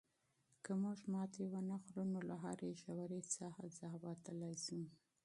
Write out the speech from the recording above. که موږ تسلیم نه شو نو له هرې ژورې څاه وتلی شو.